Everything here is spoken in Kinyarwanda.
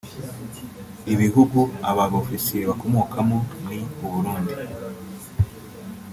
Ibihugu aba bofisiye bakomokamo ni u Burundi